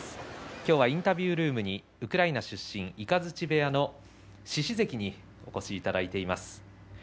今日はインタビュールームにウクライナ出身、雷部屋の獅司関にお越しいただいています。